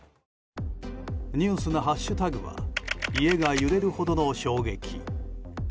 ニュースなハッシュタグは「＃家が揺れるほどの衝撃」。